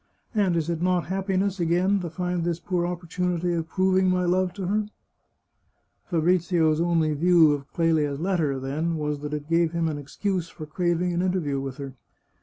And is it not happiness, again, to find this poor opportunity of proving my love to her ?" Fabrizio's only view of Clelia's letter, then, was that it gave him an excuse for craving an interview with her.